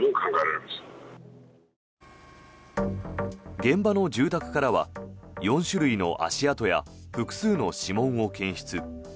現場の住宅からは４種類の足跡や複数の指紋を検出。